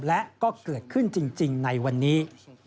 และก็เกิดขึ้นจริงในวันนี้